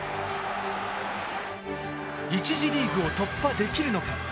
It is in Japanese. １次リーグを突破できるのか？